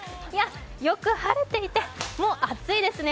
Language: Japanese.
よく晴れていてもう暑いですね。